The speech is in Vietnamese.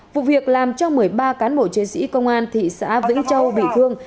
vụ việc làm cho một mươi ba cán bộ chiến sĩ công an thị xã vĩnh châu bị thương